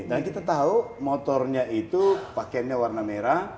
dan kita tahu motornya itu pakaiannya warna merah